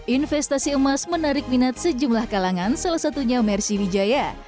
investasi emas menarik minat sejumlah kalangan salah satunya mercy wijaya